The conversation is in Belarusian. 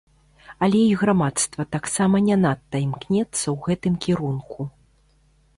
Але і грамадства таксама не надта імкнецца ў гэтым кірунку.